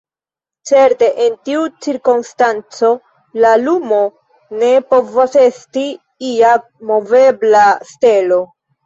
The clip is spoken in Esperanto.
Certe en tiu cirkonstanco la lumo ne povas esti ia movebla stelo.